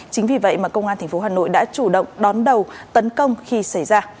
chính vì vậy mà công an tp hà nội đã chủ động đón đầu tấn công khi xảy ra